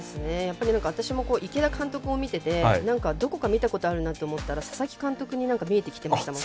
私も池田監督を見ててどこか見たことあるなって思ったら佐々木監督に見えてきてましたもん。